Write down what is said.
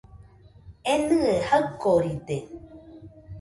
Enɨe jaɨkoride